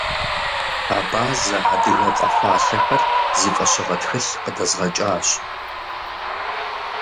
«Абазэ-адыгэ къэфалъэхэр» зи фӀэщыгъэ тхылъ къыдэзгъэкӀащ.